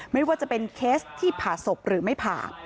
ไม่ว่าจะเป็นเคสที่ผ่าศพหรือไม่ผ่า